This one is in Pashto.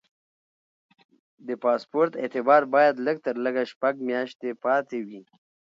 د پاسپورټ اعتبار باید لږ تر لږه شپږ میاشتې پاتې وي.